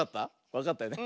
わかったよね。